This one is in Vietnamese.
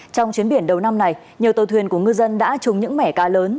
trong chuyến biển đầu năm này nhiều tàu thuyền của ngư dân đã trúng những mẻ cá lớn